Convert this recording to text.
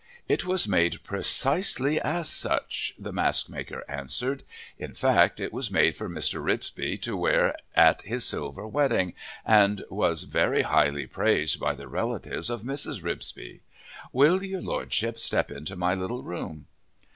"It was made precisely as such," the mask maker answered. "In fact it was made for Mr. Ripsby to wear at his silver wedding, and was very highly praised by the relatives of Mrs. Ripsby. Will your Lordship step into my little room?"